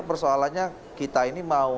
persoalannya kita ini mau